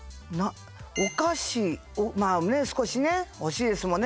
まあ少しね欲しいですもんね